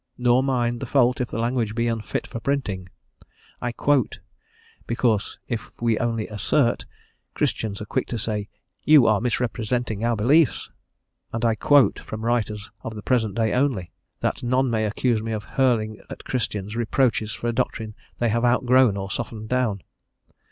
Nor mine the fault if the language be unfit for printing. I quote, because if we only assert, Christians are quick to say, "you are misrepresenting our beliefs," and I quote from writers of the present day only, that none may accuse me of hurling at Christians reproaches for a doctrine they have outgrown or softened down.